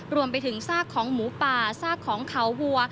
รวมไปถึงซากของหมูป่าซากของเขาวัว